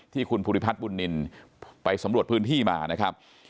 ที่คุณภูริพัฒน์บุญนินไปสำรวจพื้นที่มานะครับ